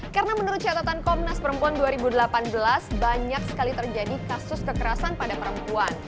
karena menurut catatan komnas perempuan dua ribu delapan belas banyak sekali terjadi kasus kekerasan pada perempuan